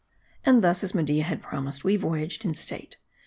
And thus, as Media had promised, we voyaged in state.